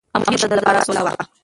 خاموشي د ده لپاره سوله وه.